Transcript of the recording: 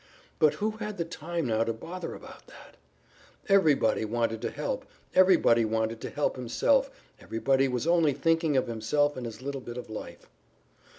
But who had the time now to bother about that? Everybody wanted help, everybody wanted to help himself, everybody was only thinking of himself and his little bit of life.